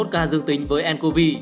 ba mươi một ca dương tính với ncov